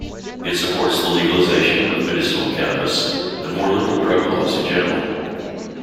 It supports the legalization of medicinal cannabis, and more liberal drug laws in general.